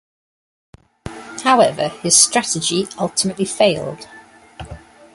However, his strategy ultimately failed.